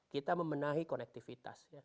kita memenahi konektivitas